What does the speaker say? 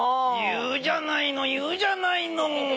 言うじゃないの言うじゃないのもう。